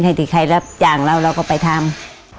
ที่ใครรับจ้างเราเราก็ไปทำ